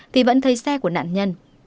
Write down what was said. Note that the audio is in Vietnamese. thì vẫn thấy xe của nạn nhân